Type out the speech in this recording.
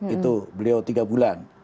itu beliau tiga bulan